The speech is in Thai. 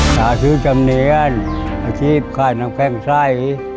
หน้าชื่อจำเนียนอาชีพค่ายน้ำแพร่งไส้